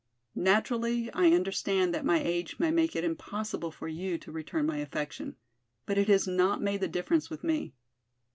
Naturally I understand that my age may make it impossible for you to return my affection, but it has not made the difference with me.